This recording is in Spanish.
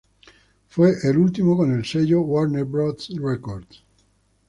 Fue el último con el sello Warner Bros Records.